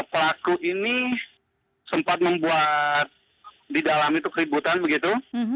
pelaku ini sempat membuat di dalam itu keributan begitu